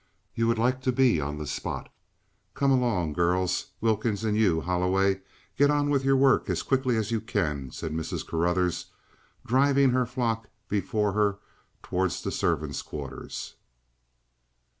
You would like to be on the spot. Come along, girls. Wilkins, and you, Holloway, get on with your work as quickly as you can," said Mrs. Carruthers, driving her flock before her towards the servants' quarters.